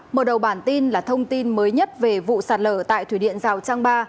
mở đầu bản tin là thông tin mới nhất về vụ sạt lở tại thủy điện rào trang ba